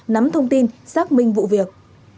nắm thông tin xác minh vụ việc